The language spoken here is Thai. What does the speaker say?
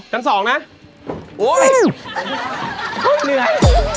เหนื่อย